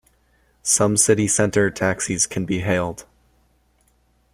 Some city centre taxis can be hailed.